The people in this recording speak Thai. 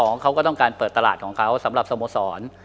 ในการเปิดตลาดของเขาสำหรับสโมสร